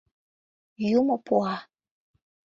Юмо пуа.